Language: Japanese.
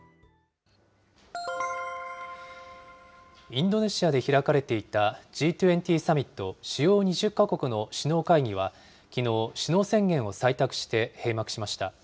インドネシアで開かれていたＧ２０サミット・主要２０か国の首脳会議は、きのう、首脳宣言を採択して閉幕しました。